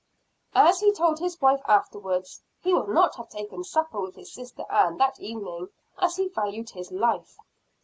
As he told his wife afterwards, he would not have taken supper with his sister Ann that evening as he valued his life.